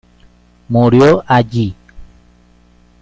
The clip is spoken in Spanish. Murió allí.